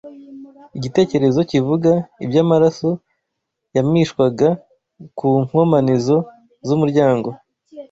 igitekerezo kivuga iby’amaraso yamishwaga ku nkomanizo z’umuryango